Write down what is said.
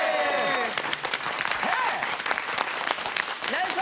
ナイス！